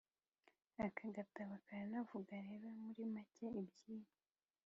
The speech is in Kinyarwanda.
aka gatabo karanavuga rero muri make iby'iyi